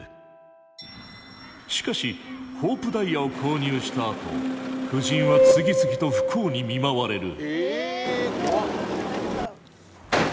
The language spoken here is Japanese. しかしホープダイヤを購入したあと夫人は次々と不幸に見舞われる。